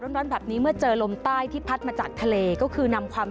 ร้อนแบบนี้เมื่อเจอลมใต้ที่พัดมาจากทะเลก็คือนำความ